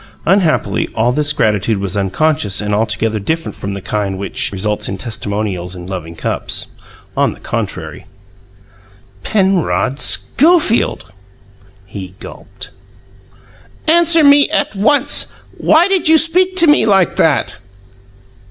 Unhappily, all this gratitude was unconscious and altogether different from the kind which, results in testimonials and loving cups. On the contrary! "Penrod Schofield!" He gulped. "Answer me at once! Why did you speak to me like that?"